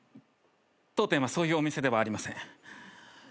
当店はそういうお店ではありません。